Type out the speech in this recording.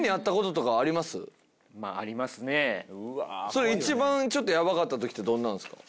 それ一番ちょっとヤバかったときってどんなんすか？